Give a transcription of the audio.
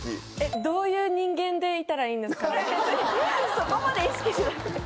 そこまで意識しなくても。